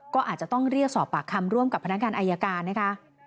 ก็อาจจะต้องเรียกสอบปากคำร่วมกับพนักงานอายการนะคะ